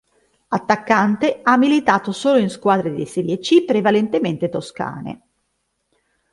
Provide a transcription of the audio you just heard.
Attaccante, ha militato solo in squadre di Serie C prevalentemente toscane.